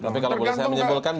tapi kalau boleh saya menyimpulkan